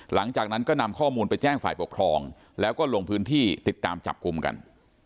หลังจากนั้นก็นำข้อมูลไปแจ้งฝ่ายปกครองแล้วก็ลงพื้นที่ติดตามจับกลุ่มกัน